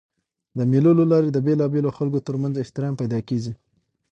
د مېلو له لاري د بېلابېلو خلکو تر منځ احترام پیدا کېږي.